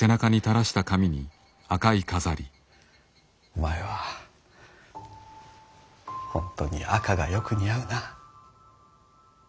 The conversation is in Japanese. お前は本当に赤がよく似合うな。